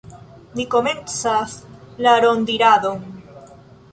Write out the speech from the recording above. Ni komencas la rondiradon.